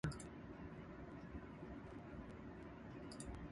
Demonstrations of corn shredders and a corn shellers also occur throughout the day.